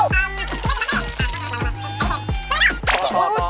อุ๊ยข้ามวอนี้